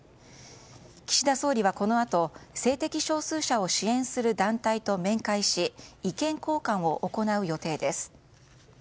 岸田総理はこのあと性的少数者を支援する団体と面会し意見交換を行う予定です。